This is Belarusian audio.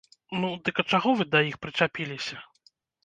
Ну, дык а чаго вы да іх прычапіліся?